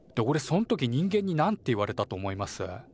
そん時人間になんて言われたと思います？